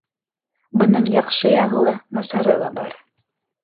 Бының яҡшы яғы ла, насары ла бар.